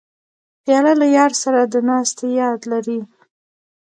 پیاله له یار سره د ناستې یاد لري.